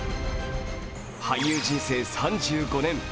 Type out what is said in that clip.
俳優人生３５年。